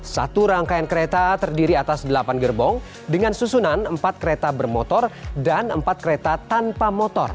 satu rangkaian kereta terdiri atas delapan gerbong dengan susunan empat kereta bermotor dan empat kereta tanpa motor